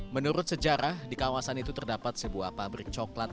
menurut sejarah di kawasan itu terdapat sebuah pabrik coklat